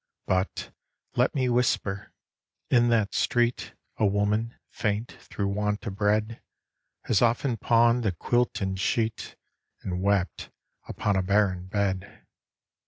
But, let me whisper, in that street A woman, faint through want of bread, Has often pawned the quilt and sheet And wept upon a barren bed.